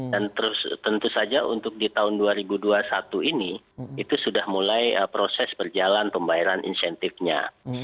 dan tentu saja untuk di tahun dua ribu dua puluh satu ini itu sudah mulai proses berjalan pembayaran insentifnya